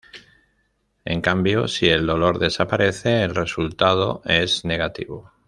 En cambio si el dolor desaparece el resultado es negativo.